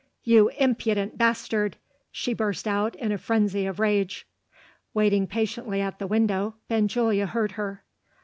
"You impudent bastard!" she burst out, in a frenzy of rage. Waiting patiently at the window, Benjulia heard her.